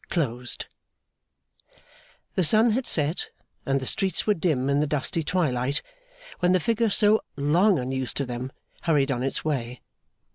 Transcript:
Closed The sun had set, and the streets were dim in the dusty twilight, when the figure so long unused to them hurried on its way.